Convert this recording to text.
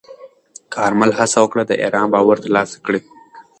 کارمل هڅه وکړه د ایران باور ترلاسه کړي.